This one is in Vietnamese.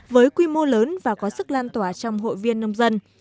với quy mô lớn và có sức lan tỏa trong hội viên nông dân